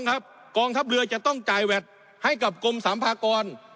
กองทัพเรือจะต้องจ่ายแวดให้กับกรมสามพากร